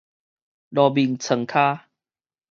落眠床跤